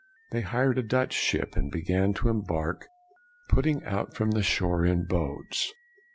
They hired a Dutch ship, and began to embark, putting out from the shore in boats.